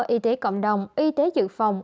y tế cộng đồng y tế dự phòng